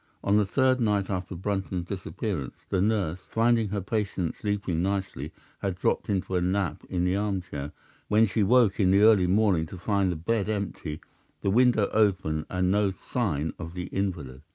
On the third night after Brunton's disappearance, the nurse, finding her patient sleeping nicely, had dropped into a nap in the armchair, when she woke in the early morning to find the bed empty, the window open, and no signs of the invalid.